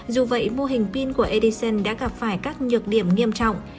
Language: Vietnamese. dù vậy mô hình pin của edison đã gặp phải các nhược điểm nghiêm trọng